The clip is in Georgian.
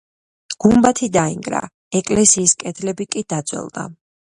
გუმბათი დაინგრა, ეკლესიის კედლები კი დაძველდა.